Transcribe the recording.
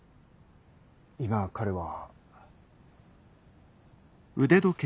今彼は。